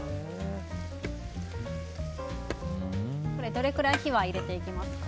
どれくらい火は入れていきますか？